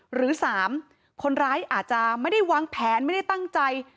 หรือ๓คนร้ายอาจจะไม่ได้วางแผนไม่ได้ตั้งใจ